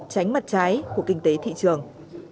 tránh mặt trái của kinh tế thị trường